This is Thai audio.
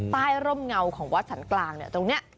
ร่มเงาของวัดสรรกลางเนี่ยตรงนี้